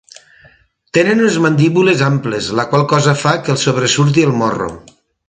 Tenen unes mandíbules amples, la qual cosa fa que els sobresurti el morro.